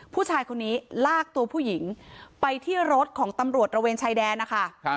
ผู้ชายคนนี้ลากตัวผู้หญิงไปที่รถของตำรวจระเวนชายแดนนะคะ